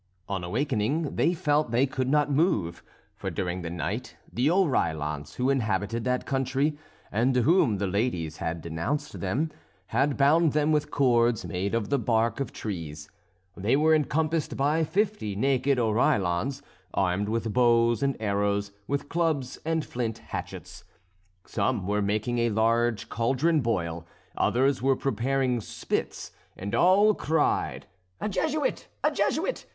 On awaking they felt that they could not move; for during the night the Oreillons, who inhabited that country, and to whom the ladies had denounced them, had bound them with cords made of the bark of trees. They were encompassed by fifty naked Oreillons, armed with bows and arrows, with clubs and flint hatchets. Some were making a large cauldron boil, others were preparing spits, and all cried: "A Jesuit! a Jesuit!